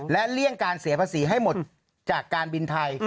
และเลี่ยงการเสียภาษีให้หมดจากการบินไทย